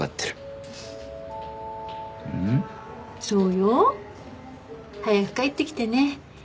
そうよ。早く帰ってきてね。